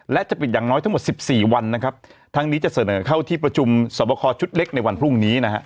และจะปิดอย่างน้อยทั้งหมดสิบสี่วันนะครับทั้งนี้จะเสนอเข้าที่ประชุมสอบคอชุดเล็กในวันพรุ่งนี้นะฮะ